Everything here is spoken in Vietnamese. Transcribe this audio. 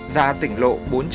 ra tỉnh lộ bốn trăm hai mươi hai